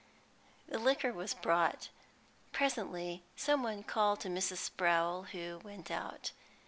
The liquor was brought. Presently some one called to Mrs. Sprowl, who went out.